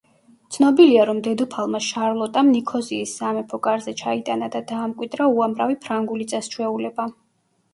ცნობილია, რომ დედოფალმა შარლოტამ ნიქოზიის სამეფო კარზე ჩაიტანა და დაამკვიდრა უამრავი ფრანგული წეს-ჩვეულება.